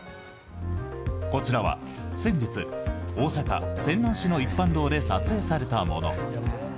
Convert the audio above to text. こちらは先月大阪・泉南市の一般道で撮影されたもの。